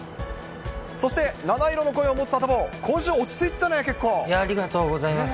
そして七色の声を持つサタボありがとうございます。